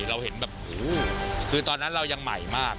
เราเห็นแบบโอ้โหคือตอนนั้นเรายังใหม่มาก